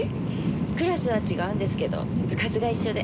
クラスは違うんですけど部活が一緒で。